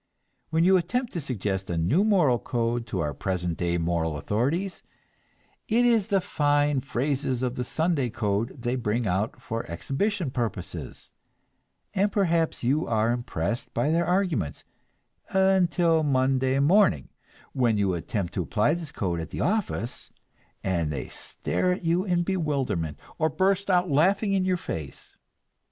When you attempt to suggest a new moral code to our present day moral authorities, it is the fine phrases of the Sunday code they bring out for exhibition purposes; and perhaps you are impressed by their arguments until Monday morning, when you attempt to apply this code at the office, and they stare at you in bewilderment, or burst out laughing in your face.